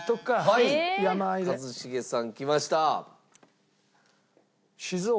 はい一茂さんきました。